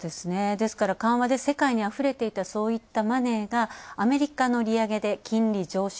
ですから緩和で世界からあふれていた、そういったマネーがアメリカの利上げで金利上昇。